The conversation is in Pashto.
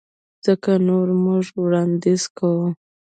ځکه نو موږ وړانديز کوو.